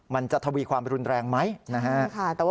มันจะถวีความรุนแรงไหม